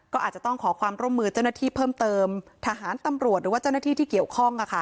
ก็อาจจะต้องขอความร่วมมือเจ้าหน้าที่เพิ่มเติมทหารตำรวจหรือว่าเจ้าหน้าที่ที่เกี่ยวข้อง